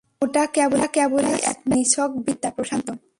এটা কেবলই একটা নিছক বিদ্যা, প্রশান্ত।